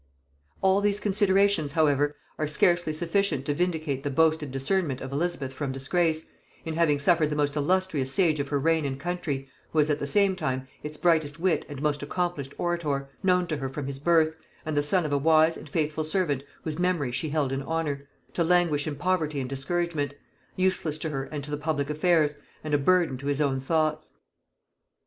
All these considerations, however, are scarcely sufficient to vindicate the boasted discernment of Elizabeth from disgrace, in having suffered the most illustrious sage of her reign and country, who was at the same time its brightest wit and most accomplished orator, known to her from his birth, and the son of a wise and faithful servant whose memory she held in honor, to languish in poverty and discouragement; useless to herself and to the public affairs, and a burthen to his own thoughts.